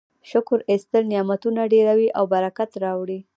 شکر ایستل نعمتونه ډیروي او برکت راوړي.